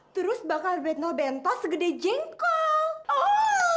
terus bakal berbentol bentol segede jengkol